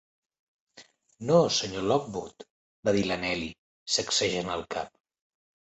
"No, Sr. Lockwood", va dir la Nelly, sacsejant el cap.